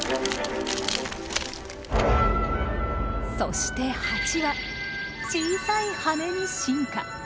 そしてハチは小さい羽に進化。